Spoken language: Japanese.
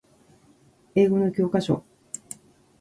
英語の教科書